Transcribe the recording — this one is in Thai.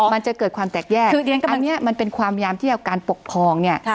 มันจะเกิดความแตกแยกอันนี้มันเป็นความยามที่เอาการปกครองเนี่ย